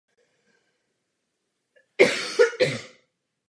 Hry se začaly hodně rozšiřovat.